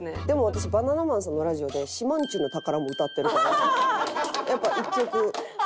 でも私バナナマンさんのラジオで『島人ぬ宝』も歌ってるからやっぱ１曲。